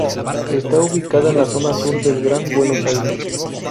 Está ubicada en la Zona Sur del Gran Buenos Aires.